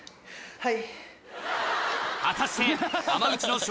はい。